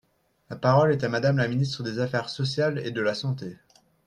La parole est à Madame la ministre des affaires sociales et de la santé.